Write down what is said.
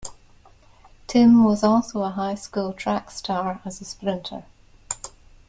Tim was also a high school track star as a sprinter.